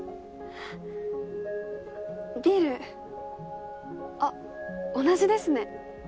ビールあっ同じですね。